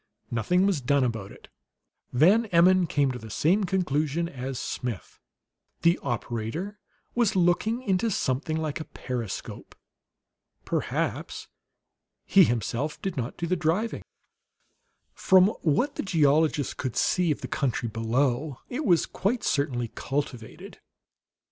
Nothing was done about it. Van Emmon came to the same conclusion as Smith; the operator was looking into something like a periscope. Perhaps he himself did not do the driving. From what the geologist could see of the country below, it was quite certainly cultivated.